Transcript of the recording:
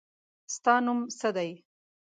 ستا نوم څه دی؟